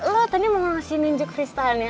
lo tadi mau kasih nunjuk freestyle nya